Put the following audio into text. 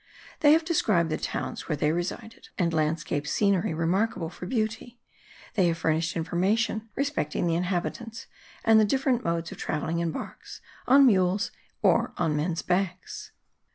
They have described the towns where they resided, and landscape scenery remarkable for beauty; they have furnished information respecting the inhabitants and the different modes of travelling in barks, on mules or on men's backs.